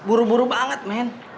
buru buru banget men